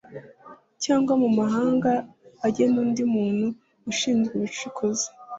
Cyangwa mu mahanga agena undi muntu ushinzwe ubucukuzi